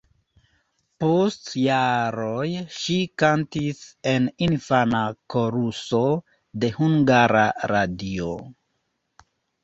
Post jaroj ŝi kantis en infana koruso de Hungara Radio.